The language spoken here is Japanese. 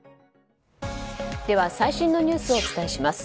では、最新のニュースをお伝えします。